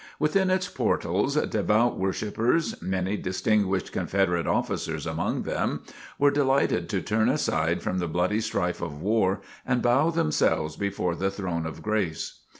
Within its portals devout worshippers, many distinguished Confederate officers among them, were delighted to turn aside from the bloody strife of war and bow themselves before the Throne of Grace.